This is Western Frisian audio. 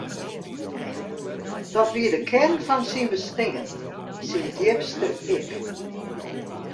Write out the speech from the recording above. Dat wie de kearn fan syn bestean, syn djipste ik.